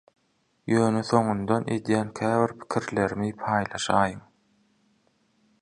ýöne soňundan edýän käbir pikirlerimi paýlaşaýyn.